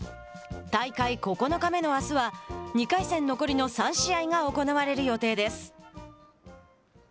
大会９日目のあすは２回戦の残り３試合が行われる予定です。